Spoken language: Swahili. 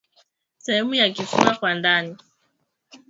sehemu ya kifua kwa ndani